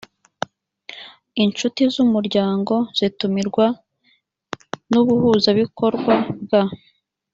incuti z umuryango zitumirwa n ubuhuzabikorwa bwa